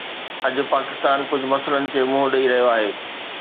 اڄ پاڪستان ڪجهه مسئلن کي منهن ڏئي رهيو آهي.